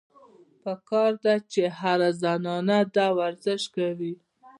پکار ده چې هره زنانه دا ورزش کوي -